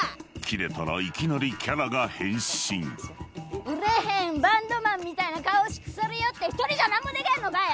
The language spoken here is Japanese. キレたらいきなりキャラが変身売れへんバンドマンみたいな顔しくさりよって一人じゃ何もできへんのかい！